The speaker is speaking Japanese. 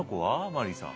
マリーさん。